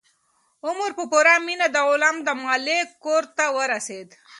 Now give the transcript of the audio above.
عمر په پوره مینه د غلام د مالک کور ته ورسېد.